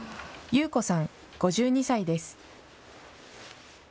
ユウコさん５２歳です。